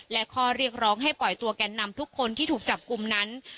และข้อเรียกร้องให้ปล่อยตัวแกนนำทุกคนที่ถูกจับกลุ่มนั้น